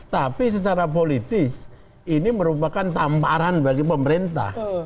tapi secara politis ini merupakan tamparan bagi pemerintah